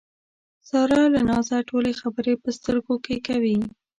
ساره له نازه ټولې خبرې په سترګو کې کوي.